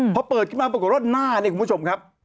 พอเปิดคริมหนักปรากฏว่าน่าเนี่ยคุณผู้ชมครับ